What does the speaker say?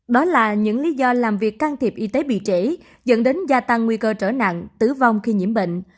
đó là những lý do làm việc can thiệp y tế bị trễ dẫn đến gia tăng nguy cơ trở nặng tử vong khi nhiễm bệnh